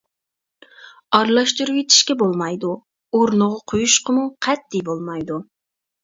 ئارىلاشتۇرۇۋېتىشكە بولمايدۇ، ئورنىغا قويۇشقىمۇ قەتئىي بولمايدۇ.